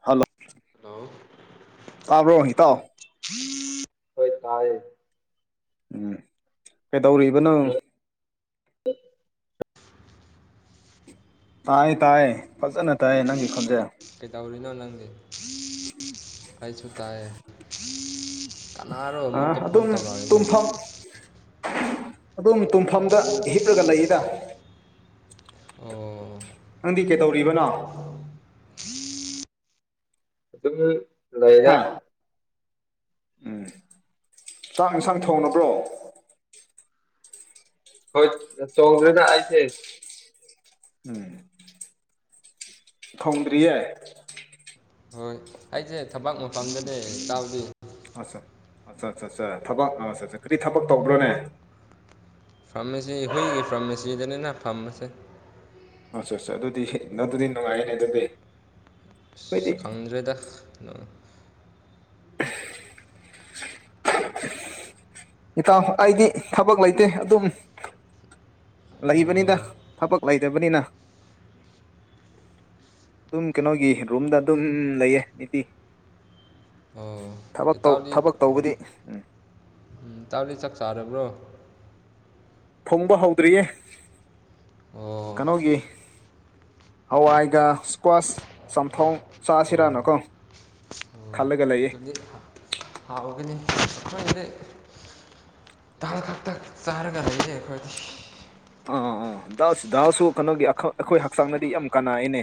ꯍꯜ ꯂꯣ ꯏꯇꯥꯎ ꯍꯣꯏ ꯇꯥꯏꯌꯦ꯫ ꯎꯝ ꯀꯩꯗꯧꯔꯤꯕꯅꯣ꯫ [unintelligible] ꯇꯥꯏꯌꯦ ꯇꯥꯏꯌꯦ ꯐꯖꯅ ꯇꯥꯏꯌꯦ ꯅꯪꯒꯤ ꯈꯣꯟꯖꯦꯜ꯫ ꯀꯩꯗꯧꯔꯤꯅꯣ ꯅꯪꯗꯤ ꯑꯩꯁꯨ ꯇꯥꯏꯌꯦ꯫ ꯀꯅꯥꯔꯣ ꯑ ꯑꯃꯨꯛꯀ ꯐꯣꯟ ꯑꯗꯨꯝ ꯇꯧꯔꯛꯏꯅꯦ ꯇꯨꯝꯐꯝ ꯑꯗꯨꯝ ꯇꯨꯡꯐꯝꯗ ꯍꯤꯞꯂꯒ ꯂꯩꯌꯦꯗ꯫ ꯑꯣ ꯅꯪꯗꯤ ꯀꯩꯗꯧꯔꯤꯕꯅꯣ꯫ ꯑꯗꯨꯝ ꯂꯩꯗ꯫ ꯎꯝ ꯆꯥꯛ ꯏꯟꯁꯥꯡ ꯊꯣꯡꯉꯕ꯭ꯔꯣ꯫ ꯍꯣꯏ ꯆꯧꯗ꯭ꯔꯦꯅ ꯑꯩꯁꯦ꯫ ꯎꯝ꯫ ꯊꯧꯗꯔꯤꯌꯦ꯫ ꯍꯣꯏ ꯑꯩꯁꯦ ꯊꯕꯛ ꯃꯐꯝꯗꯅꯦ ꯏꯇꯥꯎꯗꯤ꯫ ꯑꯠꯆꯥ ꯑꯠꯆꯥ ꯆꯥ ꯆꯥ ꯊꯕꯛ ꯑꯠꯆꯥ ꯆꯥ ꯀꯔꯤ ꯊꯕꯛ ꯇꯧꯕ꯭ꯔꯣꯅꯦ꯫ ꯐꯥꯔꯝꯃꯁꯤ ꯍꯨꯏꯒꯤ ꯐꯥꯔꯝꯃꯁꯤꯗꯅꯤꯅ ꯑꯩꯅ ꯐꯥꯝꯕꯁꯦ꯫ ꯑꯆꯥ ꯆꯥ ꯑꯗꯨꯗꯤ ꯑꯗꯨꯗꯤ ꯅꯨꯡꯉꯥꯏꯌꯦꯅꯦ ꯑꯗꯨꯗꯤ꯫ ꯑꯁ ꯑꯩꯈꯣꯏꯗꯤ ꯈꯪꯗꯔꯦꯗ [unintelligible] ꯏꯇꯥꯎ ꯑꯩꯗꯤ ꯊꯕꯛ ꯂꯩꯇꯦ ꯑꯗꯨꯝ꯫ ꯑꯣ ꯂꯩꯕꯅꯤꯅ ꯊꯕꯛ ꯂꯩꯇꯕꯅꯤꯅ꯫ ꯑꯗꯨꯝ ꯀꯩꯅꯣꯒꯤ ꯔꯨꯝꯗ ꯑꯗꯨꯝ ꯂꯩꯌꯦ ꯅꯨꯄꯤ꯫ ꯑꯣ ꯊꯕꯛ ꯇꯧ ꯊꯕꯛ ꯇꯧꯕꯗꯤ ꯎꯝ꯫ ꯎꯝ ꯏꯇꯥꯎꯗꯤ ꯆꯥꯛ ꯆꯥꯔꯕ꯭ꯔꯣ꯫ ꯊꯣꯡꯕ ꯍꯧꯗ꯭ꯔꯤꯌꯦ ꯑꯣ ꯀꯩꯅꯣꯒꯤ꯫ ꯍꯋꯥꯏꯒ ꯏꯁꯀ꯭ꯋꯥꯁ ꯆꯝꯊꯣꯡ ꯑꯣ ꯆꯥꯁꯤꯔꯥꯅꯀꯣ ꯈꯜꯂꯒ ꯂꯩꯌꯦ [unintelligible] ꯍꯥꯎꯒꯅꯤ ꯑꯩꯈꯣꯏꯗꯤ ꯗꯥꯜ ꯇꯛ ꯆꯥꯔꯒ ꯂꯩꯌꯦ ꯑꯩꯈꯣꯏꯗꯤ ꯑꯥ ꯑꯥ ꯗꯥꯜꯁꯨ ꯀꯩꯅꯣꯒꯤ ꯑꯩꯈꯣꯏ ꯍꯛꯆꯥꯡꯅꯗꯤ ꯌꯥꯝ ꯀꯥꯟꯅꯩꯌꯦꯅꯦ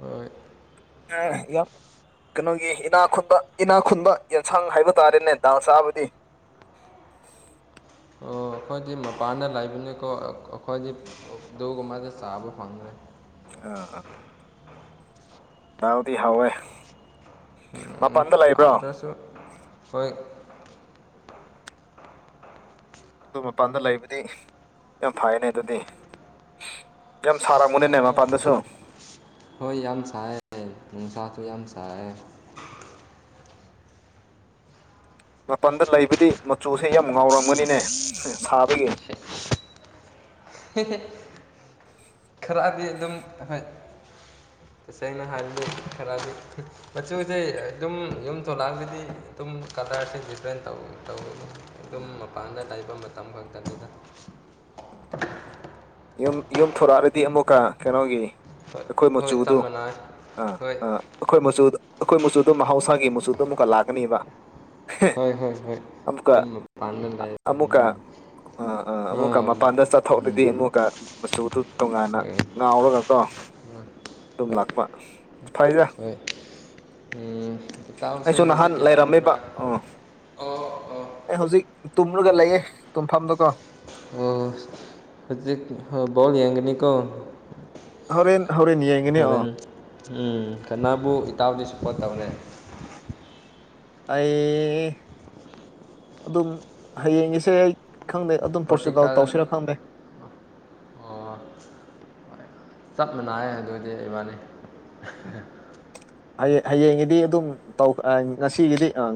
ꯍꯣꯏ ꯑ ꯌꯥꯝ ꯀꯩꯅꯣꯒꯤ ꯏꯅꯥ ꯈꯨꯨꯟꯕ ꯏꯅꯥ ꯈꯨꯟꯕ ꯌꯦꯟꯁꯥꯡ ꯍꯥꯏꯕ ꯇꯥꯔꯦꯅꯦ ꯗꯥꯜ ꯆꯥꯕꯗꯤ ꯑꯣ ꯑꯩꯈꯣꯏꯗꯤ ꯃꯄꯥꯟꯗ ꯂꯩꯕꯅꯤꯀꯣ ꯑꯩꯈꯣꯏꯗꯤ ꯑꯗꯨꯒꯨꯝꯕꯗꯣ ꯆꯥꯕ ꯐꯪꯗ꯭ꯔꯦ ꯑ ꯑꯥ ꯍꯥꯎꯗꯤ ꯍꯥꯎꯋꯦ ꯃꯄꯥꯟꯗ ꯂꯩꯕ꯭ꯔꯣ ꯍꯥꯎꯗꯔꯁꯨ ꯍꯣꯏ ꯑꯗꯨ ꯃꯄꯥꯟꯗ ꯂꯩꯕꯗꯤ ꯌꯥꯝ ꯐꯩꯅꯦ ꯑꯗꯨꯗꯤ ꯌꯥꯝ ꯁꯥꯔꯝꯒꯅꯤꯅꯦ ꯈꯪꯗꯦꯗ ꯃꯄꯥꯟꯗꯁꯨ ꯍꯣꯏ ꯌꯥꯝ ꯁꯥꯏꯌꯦ ꯅꯨꯡꯁꯥꯁꯨ ꯌꯥꯝ ꯁꯥꯏꯌꯦ ꯃꯄꯥꯟꯗ ꯂꯩꯕꯗꯤ ꯃꯆꯨꯁꯦ ꯌꯥꯝ ꯉꯥꯎꯔꯝꯒꯅꯤꯅꯦ ꯁꯥꯕꯒꯤ ꯈꯔꯗꯤ ꯑꯗꯨꯝ ꯍꯣꯏ ꯇꯁꯦꯡꯅ ꯍꯥꯏꯕꯗꯤ ꯈꯔꯗꯤ ꯃꯆꯨꯁꯦ ꯑꯗꯨꯝ ꯌꯨꯝ ꯊꯣꯛꯂꯛꯒꯗꯤ ꯑꯗꯨꯝ ꯀꯂꯔꯁꯦ ꯗꯤꯐ꯭ꯔꯦꯟ ꯇꯧꯋꯦ ꯑꯗꯨꯝ ꯎꯝ ꯃꯄꯥꯟꯗ ꯂꯩꯕ ꯃꯇꯝ ꯈꯛꯇꯅꯤꯗ ꯎꯝ ꯌꯨꯝ ꯌꯨꯝ ꯊꯣꯔꯛꯂꯗꯤ ꯑꯃꯨꯛꯀ ꯀꯩꯅꯣꯒꯤ ꯍꯣꯏ ꯑꯩꯈꯣꯏ ꯍꯣꯏ ꯆꯞ ꯃꯆꯨꯗꯨ ꯃꯥꯟꯅꯩ ꯑꯥ ꯍꯣꯏ ꯑꯥ ꯑꯩꯈꯣꯏ ꯃꯆꯨ ꯑꯩꯈꯣꯏ ꯃꯆꯨꯗꯨ ꯃꯍꯧꯁꯥꯒꯤ ꯃꯆꯨꯗꯣ ꯑꯃꯨꯛꯀ ꯂꯥꯛꯀꯅꯦꯕ ꯍꯣꯏ ꯍꯣꯏ ꯍꯣꯏ ꯌꯨꯝ ꯃꯄꯥꯟꯗ ꯂꯩ ꯑꯃꯨꯛꯀ ꯑ ꯑ ꯃꯄꯥꯟꯗ ꯆꯥꯊꯣꯛꯂꯗꯤ ꯑꯃꯨꯛꯀ ꯃꯆꯨꯗꯨ ꯇꯣꯉꯥꯟꯅ ꯍꯣꯏ ꯉꯥꯎꯔꯒ ꯀꯣ ꯑꯗꯨꯝ ꯍꯣꯏ ꯂꯥꯛꯄ ꯐꯩꯗ ꯍꯣꯏ ꯎꯝ ꯏꯇꯥꯎꯁꯦ ꯑꯩꯁꯨ ꯍꯧꯖꯤꯛ ꯅꯍꯥꯟ ꯂꯩꯔꯝꯃꯦꯕ ꯀꯩꯗꯧꯔꯤꯕ꯭ꯔꯥ ꯑꯥ ꯑꯣ ꯑꯣ ꯑꯩ ꯍꯧꯖꯤꯛ ꯇꯨꯝꯂꯒ ꯂꯩꯌꯦ ꯇꯨꯝꯐꯝꯗꯀꯣ ꯑꯣ ꯍꯧꯖꯤꯛ ꯕꯣꯜ ꯌꯦꯡꯒꯅꯤꯀꯣ ꯍꯣꯔꯦꯟ ꯍꯣꯔꯦꯟ ꯌꯦꯡꯒꯅꯤ ꯑꯣ ꯍꯣꯔꯦꯟ ꯎꯝ ꯀꯅꯥꯕꯨ ꯏꯇꯥꯎꯗꯤ ꯁ꯭ꯄꯣꯔꯠ ꯇꯧꯔꯦ ꯑꯩ ꯑꯗꯨꯝ ꯍꯌꯦꯡꯒꯤꯁꯦ ꯑꯩ ꯈꯪꯗꯦ ꯑꯗꯨꯝ ꯄꯣꯔꯆꯨꯒꯥꯜ ꯄꯣꯔꯇꯨꯒꯜ ꯇꯧꯁꯤꯔ ꯈꯪꯗꯦ ꯑꯣ ꯆꯞ ꯃꯥꯅꯩꯌꯦ ꯑꯗꯨꯗꯤ ꯏꯕꯥꯅꯤ ꯎꯝ ꯍꯌꯦꯡ ꯍꯌꯦꯡꯒꯤꯗꯤ ꯑꯗꯨꯝ ꯇꯧ ꯉꯁꯤꯒꯤꯗꯤ ꯑꯥ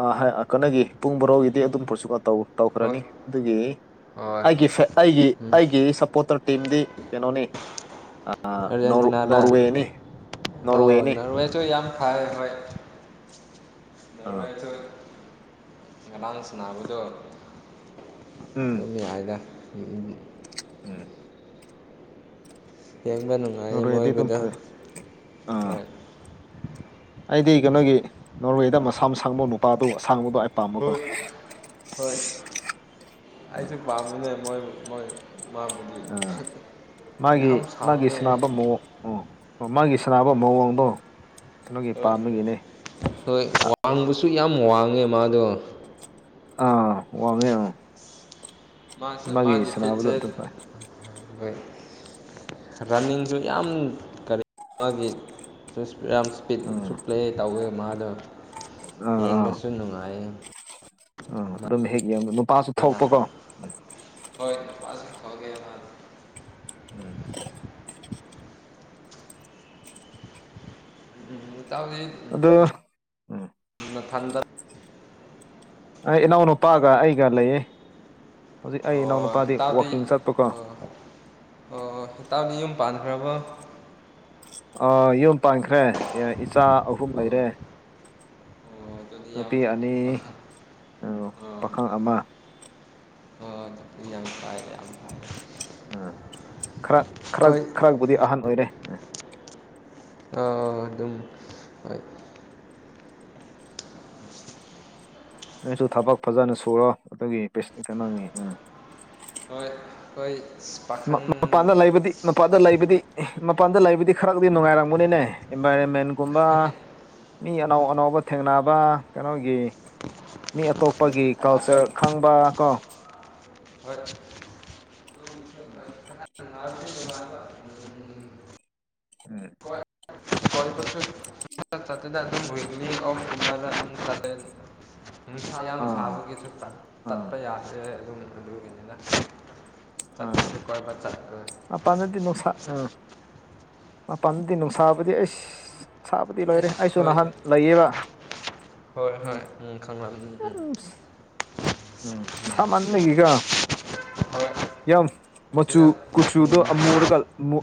ꯑ ꯑ ꯀꯩꯅꯣꯒꯤ ꯄꯨꯡ ꯕꯥꯔꯣꯒꯤꯗꯤ ꯑꯗꯨꯝ ꯄꯣꯔꯆꯨꯒꯥꯜ ꯍꯣꯏ ꯇꯧꯈ꯭ꯔꯅꯤ ꯑꯗꯨꯒꯤ ꯍꯣꯏ ꯑꯩꯒꯤ ꯐꯦ ꯑꯩꯒꯤ ꯎꯝ ꯑꯩꯒꯤ ꯁꯞꯄꯣꯔꯇꯔ ꯇꯤꯝꯗꯤ ꯀꯩꯅꯣꯅꯦ ꯑ ꯑꯥꯔꯖꯦꯟꯇꯤꯅꯥꯔꯥ ꯅꯣꯔꯋꯦꯅꯦ ꯑꯣ ꯅꯣꯔꯋꯦꯁꯨ ꯌꯥꯝ ꯐꯩ ꯍꯣꯏ ꯑꯥ ꯅꯣꯔꯋꯦꯁꯨ ꯉꯔꯥꯡ ꯁꯥꯟꯅꯕꯗꯣ ꯎꯝ ꯑꯗꯨꯝ ꯌꯥꯏꯗ ꯎꯝ꯫ ꯌꯦꯡꯕ ꯅꯨꯡꯉꯥꯏꯌꯦ ꯅꯣꯔꯋꯦꯗꯤ ꯑꯗꯨꯝ ꯃꯣꯏꯒꯤꯗꯣ ꯐꯖꯩ ꯑꯥ ꯍꯣꯏ꯫ ꯑꯩꯗꯤ ꯀꯩꯅꯣꯒꯤ ꯅꯣꯔꯋꯦꯗ ꯃꯁꯥꯝꯁꯥꯡꯕ ꯅꯨꯄꯥꯗꯣ ꯑꯁꯥꯡꯕꯗꯣ ꯑꯩ ꯄꯥꯝꯕꯀꯣ꯫ ꯍꯣꯏ ꯍꯣꯏ꯫ ꯑꯩꯖꯨ ꯄꯥꯝꯃꯤꯅꯦ ꯃꯣꯏ ꯃꯣꯏ ꯃꯥꯕꯨꯗꯤ ꯎꯝ ꯃꯥꯒꯤ ꯌꯥꯝ ꯃꯥꯒꯤ ꯁꯥꯡꯉꯦ ꯁꯅꯕ ꯃꯑꯣꯡ ꯑꯣ ꯑꯣ ꯃꯥꯒꯤ ꯁꯥꯟꯅꯕ ꯍꯣꯏ ꯃꯑꯣꯡꯗꯣ ꯀꯩꯅꯣꯒꯤ ꯍꯣꯏ ꯄꯥꯝꯕꯒꯤꯅꯦ꯫ ꯍꯣꯏ ꯑꯥ ꯋꯥꯡꯕꯁꯨ ꯌꯥꯝ ꯋꯥꯡꯉꯦ ꯃꯥꯗꯣ꯫ ꯑꯥ ꯋꯥꯡꯉꯦ ꯎꯝ꯫ ꯃꯥꯁꯦ ꯃꯥꯒꯤ ꯁꯥꯟꯅꯕꯗꯣ ꯐꯤꯠꯁꯦꯠ ꯑꯗꯨꯝ ꯐꯩ ꯔꯅꯤꯡꯖꯨ ꯌꯥꯝ ꯀꯔꯤ ꯃꯥꯒꯤ [unintelligible] ꯄꯤꯠ ꯎꯝ ꯆꯨ ꯄ꯭ꯂꯦ ꯇꯧꯋꯦ ꯃꯥꯗꯣ ꯑꯥ ꯌꯦꯡꯕꯁꯨ ꯅꯨꯡꯉꯥꯏꯌꯦ꯫ ꯑ ꯑꯗꯨꯝ ꯍꯦꯛ ꯌꯦꯡꯕ ꯅꯨꯄꯥꯁꯨ ꯃꯥꯅ ꯊꯣꯛꯄꯀꯣ꯫ ꯍꯣꯏ ꯅꯨꯄꯥꯥꯖꯨ ꯊꯣꯛꯑꯦ ꯃꯥꯖꯦ꯫ ꯎꯝ꯫ ꯎꯝ ꯇꯥꯎꯖꯤ ꯑꯗꯨ ꯎꯝ꯫ ꯅꯊꯟꯗ ꯑꯩ ꯏꯅꯥꯎꯅꯨꯄꯥꯒ ꯑꯩꯒ ꯂꯩꯌꯦ ꯍꯧꯖꯤꯛ ꯑꯩ ꯑꯣ ꯏꯅꯥꯎꯅꯨꯄꯥꯗꯤ ꯏꯇꯥꯎꯗꯤ ꯋꯥꯛꯀꯤꯡ ꯆꯠꯄꯀꯣ꯫ ꯑꯣ ꯑꯣ ꯏꯇꯥꯎꯗꯤ ꯌꯨꯝ ꯄꯥꯟꯈ꯭ꯔꯕꯣ꯫ ꯑꯣ ꯌꯨꯝ ꯄꯥꯟꯈ꯭ꯔꯦ ꯏꯆꯥ ꯑꯍꯨꯝ ꯑꯣ ꯂꯩꯔꯦ꯫ ꯑꯣ ꯑꯗꯨꯗꯤ ꯌꯥꯝ ꯅꯨꯄꯤ ꯐꯩ ꯑꯅꯤ ꯄꯥꯈꯪ ꯑꯃ꯫ ꯑꯣ ꯑꯣ ꯌꯥꯝ ꯐꯥꯔꯦ ꯌꯥꯝ ꯐꯔꯦ꯫ ꯑ ꯈꯔꯛ ꯈꯔꯛ ꯈꯔꯛꯕꯨꯗꯤ ꯑꯍꯟ ꯑꯣꯏꯔꯦ ꯑ꯫ ꯑꯥ ꯑꯗꯨꯝ꯫ ꯍꯣꯏ꯫ ꯅꯣꯏꯁꯨ ꯊꯕꯛ ꯐꯖꯅ ꯁꯨꯔꯣ ꯑꯗꯨꯒꯤ [unintelligible] ꯅꯣꯅꯤ ꯎꯝ꯫ ꯍꯣꯏ ꯍꯣꯏ꯫ ꯃ ꯃꯄꯥꯟꯗ ꯂꯩꯕꯗꯤ ꯃꯄꯥꯟꯗ ꯂꯩꯕꯗꯤ ꯃꯄꯥꯟꯗ ꯂꯩꯕꯗꯤ ꯈꯔꯛꯗꯤ ꯅꯨꯡꯉꯥꯏꯔꯝꯒꯅꯤꯅꯦ ꯏꯟꯚꯥꯏꯔꯃꯦꯟꯒꯨꯝꯕ ꯃꯤ ꯑꯅꯧ ꯑꯅꯧꯕ ꯊꯦꯡꯅꯕ ꯀꯩꯅꯣꯒꯤ ꯃꯤ ꯑꯇꯣꯞꯄꯒꯤ ꯀꯜꯆꯔ ꯈꯪꯕꯀꯣ꯫ ꯍꯣꯏ꯫ ꯎꯝ꯫ ꯅꯨꯡꯉꯥꯏꯕꯗꯤ ꯅꯨꯡꯉꯥꯏꯏꯕ [unintelligible] ꯎꯝ꯫ ꯀꯣꯏꯕꯁꯨ ꯆꯠꯇꯦꯗ ꯑꯗꯨꯝ ꯂꯣꯏꯕꯅꯤ [unintelligible] ꯅꯨꯡꯁꯥ ꯌꯥ ꯑꯥ꯫ ꯀꯩꯁꯨ ꯆꯠ ꯑꯥ ꯇꯠꯄ ꯌꯥꯗ꯭ꯔꯦ ꯑꯗꯨꯝ ꯑꯗꯨꯒꯤꯅꯤꯗ꯫ ꯑꯥ ꯃꯄꯥꯟꯗꯗꯤ ꯅꯨꯡꯁꯥ ꯑ ꯃꯥꯄꯥꯟꯗꯗꯤ ꯅꯨꯡꯁꯥꯕꯨꯗꯤ ꯑꯩꯁ ꯁꯥꯕꯗꯤ ꯂꯣꯏꯔꯦ ꯑꯦꯁ ꯑꯩꯁꯨ ꯍꯣꯏ ꯅꯍꯥꯟ ꯂꯩꯌꯦꯕ꯫ ꯍꯣꯏ ꯎꯝ ꯈꯪꯂꯝ ꯎꯝ ꯎꯝ ꯍꯨꯝ ꯑꯥ ꯍꯣꯏ [unintelligible] ꯌꯥꯝ ꯃꯆꯨ ꯑꯁꯤꯅ ꯀꯨꯆꯨꯗꯣ ꯎꯝ ꯑꯃꯨꯔꯒ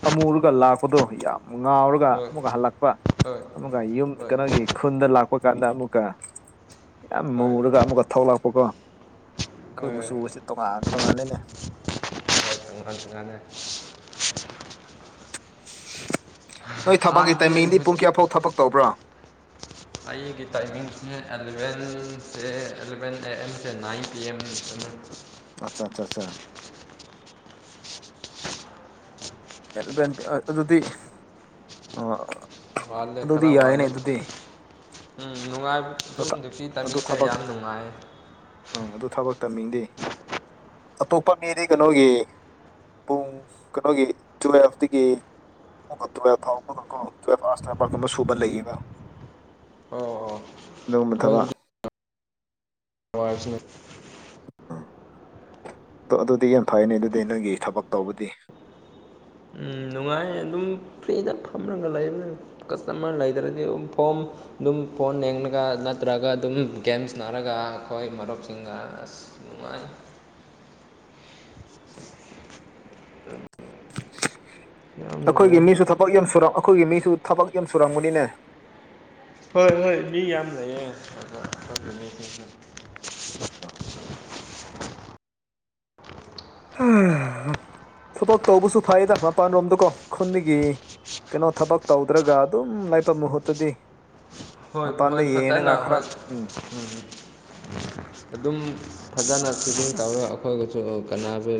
ꯑꯃꯨꯔꯒ ꯂꯥꯛꯄꯗꯣ ꯌꯥꯝ ꯉꯥꯎꯔꯒ ꯍꯣꯏ ꯑꯃꯨꯛꯒ ꯍꯜꯂꯛꯄ ꯍꯣꯏ ꯑꯃꯨꯛꯀ ꯌꯨꯝ ꯍꯣꯏ ꯀꯩꯅꯣꯒꯤ ꯈꯨꯟꯗ ꯂꯥꯛꯄ ꯀꯥꯟꯗ ꯑꯃꯨꯛꯀ ꯌꯥꯝ ꯍꯣꯏ ꯍꯣꯏ ꯃꯨꯔꯒ ꯑꯃꯨꯛꯀ ꯊꯣꯛꯂꯥꯛꯄꯀꯣ ꯑꯩꯈꯣꯏ ꯍꯣꯏ ꯃꯆꯨꯁꯦ ꯇꯣꯉꯥꯟ ꯇꯣꯉꯥꯟꯂꯦꯅꯦ [unintelligible] ꯅꯣꯏ ꯊꯕꯛꯀꯤ ꯑꯥꯗꯗꯤ ꯇꯥꯏꯃꯤꯡꯗꯤ ꯄꯨꯡ ꯍꯧꯖꯤꯛ ꯀꯌꯥꯐꯥꯎ ꯊꯕꯛ ꯇꯧꯕ꯭ꯔꯥ ꯑꯩꯒꯤ ꯇꯥꯏꯃꯤꯡ ꯑꯦꯂꯚꯦꯟꯁꯦ eleven A M to nine P M ꯑꯠꯆꯥ ꯆꯥꯆꯥ ꯑꯦꯂꯦꯕꯦꯟ ꯑꯥ ꯑꯗꯨꯗꯤ ꯑ [unintelligible] ꯈꯔ ꯋꯥꯠꯂꯤ ꯎꯝ ꯅꯨꯡꯉꯥꯏ ꯑꯗꯨꯝ ꯍꯧꯖꯤꯛꯀꯤ ꯇꯥꯏꯃꯤꯡꯁꯦ ꯌꯥꯝ ꯅꯨꯡꯉꯥꯏ ꯑ ꯑꯗꯨ ꯊꯕꯛ ꯇꯥꯏꯃꯤꯡꯗꯤ ꯑꯇꯣꯞꯄ ꯃꯤꯗꯤ ꯀꯩꯅꯣꯒꯤ ꯄꯨꯡ ꯀꯩꯅꯣꯒꯤ ꯇꯨꯋꯦꯜꯐꯇꯒꯤ ꯑꯃꯨꯛꯀꯥ ꯇꯨꯋꯦꯜꯕ ꯐꯥꯎꯕ ꯀꯣ ꯇꯨꯋꯦꯜꯕ ꯑꯥꯎꯔꯁ ꯊꯕꯛ ꯑꯃꯥ ꯁꯨꯕ ꯂꯩꯌꯦꯕꯥ ꯑꯣ ꯑꯣ ꯑꯗꯨꯒꯨꯝꯕ ꯊꯕꯛ ꯑꯩꯈꯣꯏꯒꯤꯗꯤ [unintelligible] ꯑꯗꯣ ꯑꯗꯨꯗꯤ ꯌꯥꯝ ꯐꯩꯌꯦꯅꯦ ꯑꯗꯨꯗꯤ ꯅꯪꯒꯤ ꯊꯕꯛ ꯇꯧꯕꯗꯤ ꯅꯨꯡꯉꯥꯏ ꯑꯗꯨꯝ ꯐ꯭ꯔꯤꯗ ꯐꯝꯔꯒ ꯂꯩꯕꯅꯦ ꯀꯁꯇꯃꯔ ꯂꯩꯗ꯭ꯔꯗꯤ ꯑꯗꯨꯝ ꯐꯣꯝ ꯑꯗꯨꯝ ꯐꯣꯟ ꯌꯦꯡꯉꯒ ꯅꯠꯇ꯭ꯔꯒ ꯑꯗꯨꯝ ꯒꯦꯝ ꯁꯥꯅꯥꯔꯒ ꯑꯩꯈꯣꯏ ꯃꯔꯨꯞꯁꯤꯡꯒ ꯑꯁ ꯅꯨꯡꯉꯥꯏ ꯌꯥꯝ ꯑꯩꯈꯣꯏꯒꯤ ꯅꯨꯡꯉꯥꯏ ꯃꯤꯁꯨ ꯊꯕꯛ ꯌꯥꯝ ꯁꯨꯔ ꯑꯩꯈꯣꯏꯒꯤ ꯃꯤꯁꯨ ꯊꯕꯛ ꯌꯥꯝ ꯁꯨꯔꯝꯒꯅꯤꯅꯦ ꯍꯣꯏ ꯍꯣꯏ ꯃꯤ ꯌꯥꯝ ꯂꯩꯌꯦ [unintelligible] [unintelligible] ꯊꯕꯛ ꯇꯧꯕꯁꯨ ꯐꯩꯗ ꯃꯄꯥꯟꯂꯣꯝꯗꯀꯣ ꯈꯨꯟꯗꯒꯤ ꯀꯩꯅꯣ ꯊꯕꯛ ꯇꯧꯗ꯭ꯔꯒ ꯑꯗꯨꯝ ꯂꯩꯕ ꯃꯍꯨꯠꯇꯗꯤ ꯍꯣꯏ ꯃꯄꯥꯟꯗ ꯍꯣꯏ ꯐꯖꯅ ꯌꯦꯡꯉꯒ ꯈꯔ ꯍꯣꯏ ꯎꯝ ꯎꯝ [inaudible] ꯑꯗꯨꯝ ꯐꯖꯅ ꯡ ꯁꯤꯚꯤꯡ ꯇꯧꯔꯒ ꯑꯩꯈꯣꯏꯁꯨ ꯀꯥꯟꯅꯕ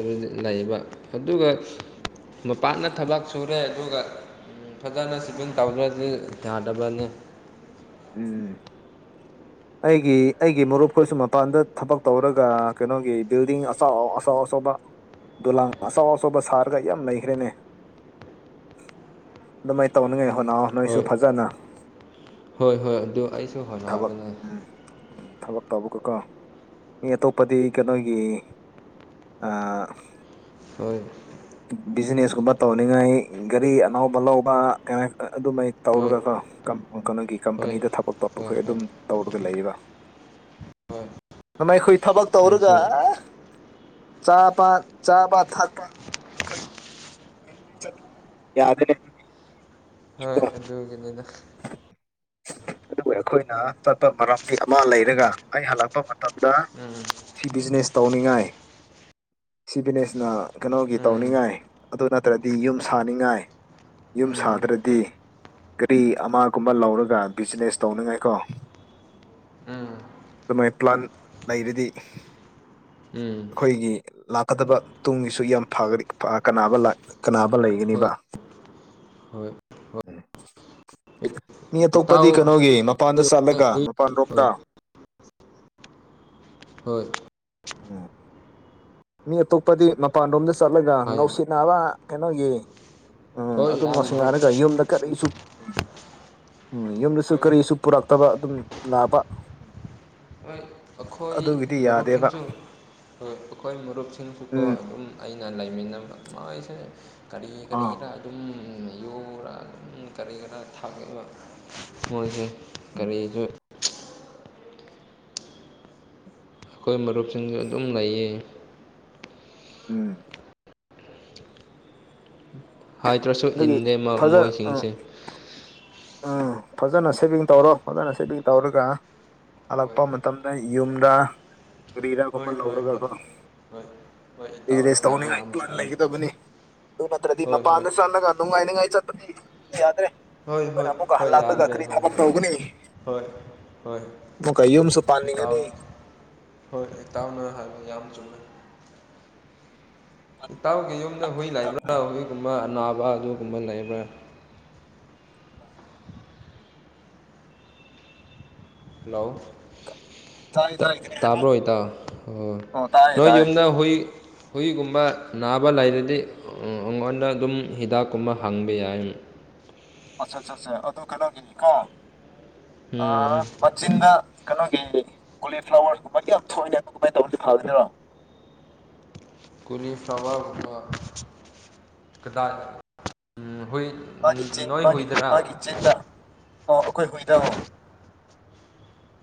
ꯂꯩꯕ ꯑꯗꯨꯒ ꯎꯝ ꯃꯄꯥꯟꯅ ꯊꯕꯛ ꯁꯨꯔꯦ ꯑꯗꯨꯒ ꯐꯖꯅ ꯁꯤꯚꯤꯡ ꯇꯧꯗ꯭ꯔꯗꯤ ꯌꯥꯗꯕꯅꯦ ꯎꯝ ꯑꯩꯒꯤ ꯑꯩꯒꯤ ꯃꯔꯨꯞꯈꯣꯏꯁꯨ ꯃꯄꯥꯟꯗ ꯊꯕꯛ ꯇꯧꯔꯒ ꯀꯩꯅꯣꯒꯤ ꯕꯤꯜꯗꯤꯡ ꯑꯆꯥꯎ ꯑꯆꯥꯎ ꯑꯆꯧꯕ ꯗꯣꯂꯥꯟ ꯑꯆꯧ ꯑꯆꯧꯕ ꯁꯥꯔꯒ ꯌꯥꯝ ꯂꯩꯈ꯭ꯔꯦꯅꯦ ꯑꯗꯨꯃꯥꯏ ꯇꯧꯅꯤꯡꯉꯥꯏ ꯍꯣꯠꯅꯧꯑꯣ ꯍꯣꯏ ꯅꯣꯏꯁꯨ ꯐꯖꯅ ꯍꯣꯏ ꯍꯣꯏ ꯑꯗꯨ ꯑꯩ ꯊꯕꯛ ꯎꯝ ꯎꯝ ꯊꯕꯛ ꯇꯧꯕꯒꯀꯣ ꯃꯤ ꯑꯇꯣꯞꯄꯗꯤ ꯀꯩꯅꯣꯒꯤ ꯑ ꯍꯣꯏ ꯕꯤꯖꯤꯅꯦꯁ ꯀꯨꯝꯕ ꯇꯧꯅꯤꯡꯉꯥꯏ ꯒꯥꯔꯤ ꯑꯅꯧꯕ ꯂꯧꯕ ꯀ ꯑꯗꯨꯃꯥꯏ ꯍꯣꯏ ꯇꯧꯔꯒꯀꯣ ꯀꯝ ꯀꯩꯅꯣꯒꯤ ꯍꯣꯏ ꯀꯝꯄꯅꯤꯗ ꯊꯕꯛ ꯍꯣꯏ ꯇꯧꯕꯈꯣꯏ ꯍꯣꯏ ꯑꯗꯨꯝ ꯇꯧꯔꯒ ꯂꯩꯌꯦꯕ ꯍꯣꯏ ꯑꯃꯩꯈꯣꯏ ꯊꯕꯛ ꯇꯧꯔꯒ ꯑꯩꯁꯨ ꯑꯥ ꯆꯥꯄ ꯆꯥꯕ ꯊꯛꯄ [unintelligible] ꯌꯥꯗꯦꯅꯦ ꯍꯣꯏ ꯑꯗꯨꯒꯤꯅꯤꯗ ꯑꯗꯨꯒ ꯑꯩꯈꯣꯏꯅ ꯆꯠꯄ ꯃꯔꯝꯗꯤ ꯑꯃ ꯂꯩꯔꯒ ꯑꯩ ꯍꯜꯂꯛꯄ ꯃꯇꯝꯗ ꯎꯝ ꯁꯤ ꯕꯤꯖꯤꯅꯦꯁ ꯇꯧꯅꯤꯡꯉꯥꯏ ꯁꯤ ꯕꯤꯅꯦꯁꯅ ꯀꯩꯅꯣꯒꯤ ꯎꯝ ꯇꯧꯅꯤꯡꯉꯥꯏ ꯑꯗꯨ ꯅꯠꯇ꯭ꯔꯗꯤ ꯌꯨꯝ ꯁꯥꯅꯤꯡꯉꯥꯏ ꯌꯨꯝ ꯎꯝ ꯁꯥꯗ꯭ꯔꯗꯤ ꯅꯨꯄꯤ ꯑꯃꯒꯨꯝꯕ ꯂꯧꯔꯒ ꯕꯤꯖꯤꯅꯦꯁ ꯇꯧꯅꯤꯡꯉꯥꯏꯀꯣ ꯎꯝ ꯑꯗꯨꯃꯥꯏ ꯄ꯭ꯂꯥꯟ ꯂꯩꯔꯗꯤ ꯎꯝ ꯑꯈꯣꯏꯒꯤ ꯂꯥꯛꯀꯗꯕ ꯇꯨꯡꯒꯤꯁꯨ ꯌꯥꯝ ꯐꯒꯅꯤ ꯐ ꯑ ꯀꯅꯥꯕ ꯂꯥꯛ ꯀꯅꯥꯕ ꯍꯣꯏ ꯂꯩꯒꯅꯤꯕ ꯍꯣꯏ ꯍꯣꯏ ꯃꯤ ꯏꯇꯥꯎ ꯑꯇꯣꯞꯄꯗꯤ ꯀꯩꯅꯣꯒꯤ ꯃꯄꯥꯟꯗ ꯆꯠꯂꯒ ꯍꯣꯏ ꯃꯄꯥꯟ ꯔꯣꯝꯗ ꯍꯣꯏ ꯑꯣ ꯃꯤ ꯑꯇꯣꯞꯄꯗꯤ ꯃꯄꯥꯟꯔꯣꯝꯗ ꯆꯠꯂꯒ ꯍꯥꯏꯌꯣ ꯉꯧꯁꯤꯟꯅꯥꯕ ꯀꯩꯅꯣꯒꯤ ꯎꯝ ꯍꯣꯏ ꯑꯗꯨꯝ ꯌꯥꯝ ꯍꯣꯏ ꯉꯥꯎꯁꯤꯡꯔꯒ ꯌꯨꯝꯗ ꯀꯔꯤꯁꯨ ꯎꯝ ꯌꯨꯝꯗꯁꯨ ꯍꯣꯏ ꯀꯔꯤꯁꯨ ꯄꯨꯔꯛꯇꯕ ꯑꯗꯨꯝ ꯂꯥꯄ ꯑꯈꯣꯏ ꯑꯗꯨꯒꯤꯗꯤ ꯌꯥꯗꯦꯕ ꯃꯔꯨꯞꯁꯤꯡꯁꯨ ꯑꯈꯣꯏ ꯃꯔꯨꯞꯁꯤꯡꯁꯨꯀꯣ ꯎꯝ ꯑꯗꯨꯝ ꯑꯩꯅ ꯂꯩꯃꯤꯟꯅꯕ ꯃꯥꯏꯁꯦ ꯀꯔꯤ ꯑꯥ ꯀꯔꯤꯔ ꯑꯗꯨꯝ ꯌꯨꯔ ꯑꯗꯨꯝ ꯀꯔꯤ ꯈꯔ ꯊꯛꯂꯕ ꯃꯣꯏꯁꯦ ꯎꯝ ꯀꯔꯤꯁꯨ ꯑꯈꯣꯏ ꯃꯔꯨꯞꯁꯤꯡꯁꯨ ꯑꯗꯨꯝ ꯂꯩꯌꯦ ꯎꯝ ꯍꯥꯏꯗ꯭ꯔꯁꯨ ꯑꯗꯨꯒꯤ ꯏꯟꯗꯦ ꯃ ꯃꯣꯏꯁꯤꯡꯁꯦ ꯎꯝ ꯐꯖꯅ ꯁꯦꯚꯤꯡ ꯇꯧꯔꯣ ꯐꯖꯅ ꯁꯦꯚꯤꯡ ꯇꯧꯔꯒ ꯍꯣꯏ ꯍꯜꯂꯛꯄ ꯃꯇꯝꯗ ꯌꯨꯝꯗ ꯀꯔꯤꯔ ꯒꯨꯝꯕ ꯍꯣꯏ ꯍꯣꯏ ꯍꯣꯏ ꯂꯧꯔꯒꯀꯣ ꯍꯣꯏ ꯍꯣꯏ ꯏꯇꯥꯎꯅ ꯕꯤꯖꯦꯁ ꯍꯥꯏꯕ ꯇꯧꯅꯤꯡꯉꯥꯏ ꯌꯥꯝ ꯄ꯭ꯂꯥꯟ ꯆꯨꯝꯃꯤ ꯂꯩꯒꯗꯕꯅꯤ ꯑꯗꯨ ꯅꯠꯇ꯭ꯔꯗꯤ ꯍꯣꯏ ꯍꯣꯏ ꯃꯄꯥꯟꯗ ꯆꯠꯂꯒ ꯅꯨꯡꯉꯥꯏꯅꯤꯉꯥꯏ ꯆꯠ ꯄꯗꯤ ꯌꯥꯗ꯭ꯔꯦ ꯍꯣꯏ ꯑꯈꯣꯏꯅ ꯍꯣꯏ ꯑꯃꯨꯛꯀ ꯍꯣꯏ ꯍꯜꯂꯛꯂꯒ ꯌꯥꯗ꯭ꯔꯦ ꯀ꯭ꯔꯤ ꯍꯣꯏ ꯊꯕꯛ ꯍꯣꯏ ꯇꯧꯒꯅꯤ ꯍꯣꯏ ꯍꯣꯏ ꯑꯃꯨꯛꯀ ꯌꯨꯝꯁꯨ ꯏꯇꯥꯎ ꯄꯥꯟꯅꯤꯡꯉꯅꯤ ꯍꯣꯏ ꯏꯇꯥꯎꯅ ꯍꯥꯏꯕ ꯌꯥꯝ ꯆꯨꯝꯃꯦ ꯄꯥꯟꯅꯤꯡꯉꯅꯤ ꯏꯇꯥꯎꯒꯤ ꯌꯨꯝꯗ ꯂꯥꯛꯄ ꯍꯨꯏ ꯃꯇꯝꯗ ꯂꯩꯕ꯭ꯔꯥ ꯍꯨꯏꯒꯨꯝꯕ ꯑꯅꯥꯕ ꯑꯗꯨꯒꯨꯝꯕ ꯂꯩꯕ꯭ꯔ ꯍꯜꯂꯣ ꯀꯩꯅꯣ ꯇꯥꯏ ꯇꯠ ꯇꯥꯏ ꯀꯩ ꯍꯥꯏꯕ ꯇꯥꯕ꯭ꯔꯣ ꯏꯇꯥꯎ ꯑꯣ ꯇꯥꯏꯌꯦ ꯅꯣꯏ ꯇꯥꯏꯌꯦ ꯌꯨꯝꯗ ꯍꯨꯏ ꯍꯨꯏꯒꯨꯝꯕ ꯅꯥꯕ ꯂꯩꯔꯗꯤ ꯑ ꯑꯉꯣꯟꯗ ꯑꯗꯨꯝ ꯍꯤꯗꯥꯛꯀꯨꯝꯕ ꯍꯪꯕ ꯌꯥꯏ ꯑꯠꯁꯥ ꯁ ꯁꯥ ꯑ ꯑꯗꯨ ꯀꯅꯒꯤꯅꯤꯀꯣ ꯑ ꯎꯝ ꯃꯆꯤꯟꯗ ꯀꯩꯅꯣꯒꯤ ꯀꯣꯂꯤꯐ꯭ꯂꯥꯋꯔꯒꯨꯝꯕꯒꯤ ꯌꯥꯝ ꯊꯣꯛꯑꯦꯅꯦ ꯑꯗꯨ ꯀꯃꯥꯏ ꯇꯧꯔꯗꯤ ꯐꯒꯗ꯭ꯔꯣ ꯀꯣꯂꯤꯐ꯭ꯂꯥꯋꯔꯒꯨꯝꯕ ꯀꯗꯥꯏ ꯎꯝ ꯍꯨꯏ ꯎꯝ ꯃꯥꯒꯤ ꯆꯤꯟ ꯅꯣꯏ ꯃꯥꯒꯤ ꯍꯨꯏꯗꯔꯥ ꯃꯥꯒꯤ ꯆꯤꯟꯗ ꯑꯣ ꯑꯈꯣꯏ ꯍꯨꯏꯗꯣ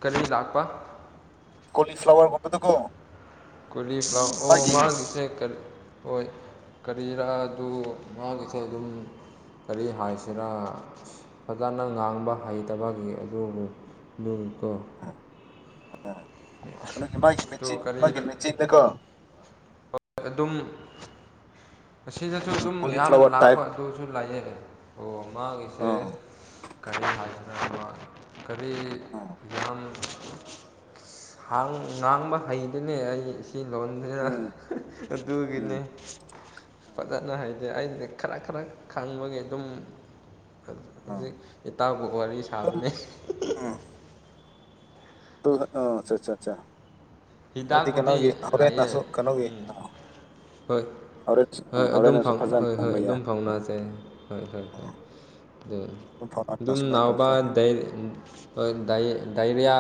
ꯀꯔꯤ ꯂꯥꯛꯄ ꯀꯣꯂꯤꯐ꯭ꯂꯥꯋꯔꯒꯨꯝꯕꯗꯀꯣ ꯀꯣꯂꯤꯐ꯭ꯂꯥꯋꯔ ꯑꯣ ꯃꯥꯒꯤ ꯃꯥꯒꯤꯁꯦ ꯀ ꯍꯣꯏ ꯀꯔꯤꯔꯥ ꯑꯗꯨ ꯃꯥꯒꯤꯁꯦ ꯑꯗꯨꯝ ꯀꯔꯤ ꯍꯥꯏꯁꯤꯔꯥ ꯐꯖꯅ ꯉꯥꯡꯕ ꯍꯩꯇꯕꯒꯤ ꯑꯗꯨꯕꯨ [unintelligible] ꯇꯣ ꯑ ꯀꯩꯅꯣꯒꯤ ꯃꯥꯒꯤ ꯑꯗꯨ ꯃꯦꯆꯤꯟ ꯃꯥꯒꯤ ꯀꯔꯤꯗ ꯃꯦꯆꯤꯟꯗꯀꯣ [unintelligible] ꯑꯗꯨꯝ ꯑꯁꯤꯗꯁꯨ ꯑꯗꯨꯝ ꯌꯥꯝ ꯀꯣꯂꯤꯐ꯭ꯂꯥꯋꯔ ꯇꯥꯏꯞ ꯂꯥꯛꯄ ꯑꯗꯨꯁꯨ ꯂꯩꯌꯦ ꯑꯣ ꯃꯥꯒꯤꯁꯦ ꯑꯥ ꯀꯔꯤ ꯍꯥꯏꯁꯤꯔꯥ ꯑꯃ ꯀꯔꯤ ꯑꯥ ꯌꯥꯝ ꯍꯥꯡ ꯉꯥꯡꯕ ꯍꯩꯗꯨꯅꯦ ꯑꯩ ꯏ ꯂꯣꯟꯖꯤꯔ ꯎꯝ ꯎꯝ ꯑꯗꯨꯒꯤꯅꯤ ꯑꯥ ꯐꯖꯅ ꯍꯩꯩ ꯗꯦ ꯑꯩꯗꯤ ꯈꯔꯛ ꯈꯔꯛ ꯈꯪꯕꯒꯤ ꯑꯗꯨꯝ ꯍ ꯑꯥ ꯍꯨꯖꯤꯛ ꯏꯇꯥꯎꯒ ꯋꯥꯔꯤ ꯑꯗꯨꯝ ꯁꯥꯕꯅꯦ ꯎꯝ ꯑꯗꯨ ꯑ ꯑꯠꯆ ꯆ ꯆ ꯑꯗꯨꯗꯤ ꯍꯤꯗꯥꯛꯄꯨꯗꯤ ꯀꯩꯅꯣꯒꯤ ꯍꯣꯔꯦꯟ ꯂꯩꯌꯦ ꯑꯁꯣ ꯀꯩꯅꯣꯒꯤ ꯎꯝ ꯑ ꯍꯣꯏ ꯍꯣꯏ ꯑꯗꯨꯝ ꯐꯥꯎ ꯐꯖꯅ ꯍꯣꯏ ꯍꯣꯏ ꯉꯥꯡꯕ ꯌꯥꯏ ꯑꯗꯨꯝ ꯎꯝ ꯐꯥꯎꯅꯁꯦ ꯍꯣꯏ ꯍꯣꯏ ꯎꯝ ꯍꯣꯏ ꯑꯗꯨ ꯑꯗꯨꯝ ꯐꯥꯎꯅꯔꯒ ꯗꯨꯝ ꯁꯨꯃꯥꯏꯅ ꯇꯧꯁꯦ ꯅꯥꯎꯕ ꯗꯩ ꯍꯣꯏ ꯗꯥꯏ ꯗꯥꯏꯔꯤꯌꯥ